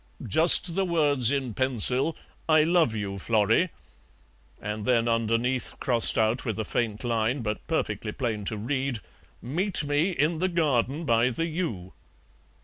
"Just the words in pencil, 'I love you, Florrie,' and then underneath, crossed out with a faint line, but perfectly plain to read, 'Meet me in the garden by the yew.'"